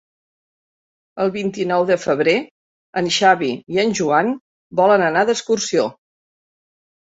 El vint-i-nou de febrer en Xavi i en Joan volen anar d'excursió.